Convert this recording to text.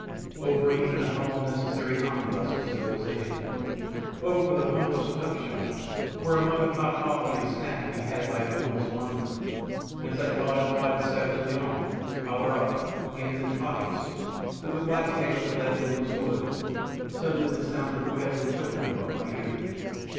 Oh for even the humble necessary omnibus of civilisation. Oh for the humblest tuck shop where a mug of hot coffee and a snack could be had by a homeless wanderer; and as I thought and plodded savagely on, collar up, hands in pockets, through the black tangles of that endless wood, suddenly the sound of wailing children caught my ear!